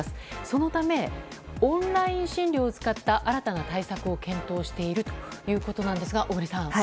そのためオンライン診療を使った新たな対策を検討しているということですが小栗さん。